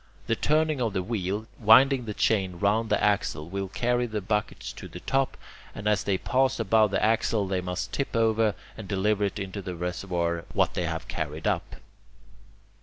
The turning of the wheel, winding the chain round the axle, will carry the buckets to the top, and as they pass above the axle they must tip over and deliver into the reservoir what they have carried up.